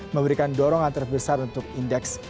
memberikan dorongan terbesar untuk indeks